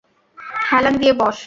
হেলান দিয়ে বস্।